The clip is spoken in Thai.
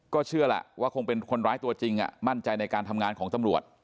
เชื่อแหละว่าคงเป็นคนร้ายตัวจริงมั่นใจในการทำงานของตำรวจ